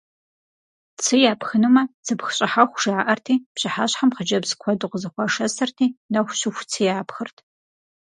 Цы япхынумэ, «цыпх щӀыхьэху» жаӀэрти, пщыхьэщхьэм хъыджэбз куэду къызэхуашэсырти, нэху щыху цы япхырт.